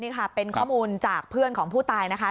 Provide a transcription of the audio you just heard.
นี่ค่ะเป็นข้อมูลจากเพื่อนของผู้ตายนะคะ